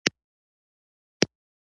د ونې د اوږد عمر یو دلیل دا کېدای شي.